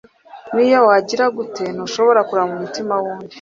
niyo wagira gute ntushobora kureba mu mutima w'undi